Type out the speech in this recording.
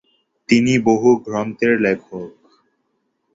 তিনি বহু গ্রন্থের লেখক।